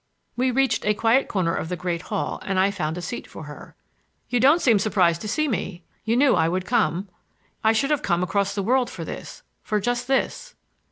We reached a quiet corner of the great hall and I found a seat for her. "You don't seem surprised to see me,—you knew I would come. I should have come across the world for this,—for just this."